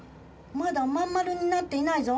まだまんまるになっていないぞ。